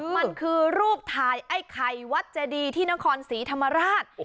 มันคือรูปถ่ายไอ้ไข่วัดเจดีที่นครศรีธรรมราช